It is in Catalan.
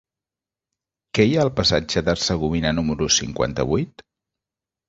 Què hi ha al passatge d'Hercegovina número cinquanta-vuit?